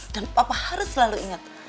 dan papa harus selalu ingat